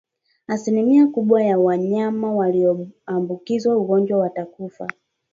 Asilimia kubwa ya wanyama walioambukizwa ugonjwa watakufa